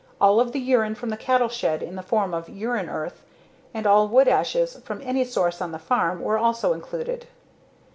All of the urine from the cattle shed in the form of urine earth and all wood ashes from any source on the farm were also included.